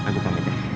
aku pamit ya